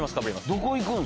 どこ行くん？